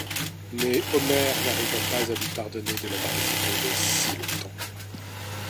Mais Homer n'arrive pas à lui pardonner de l'avoir laissé tomber si longtemps.